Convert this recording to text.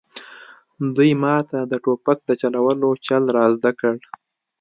دوی ماته د ټوپک د چلولو چل را زده کړ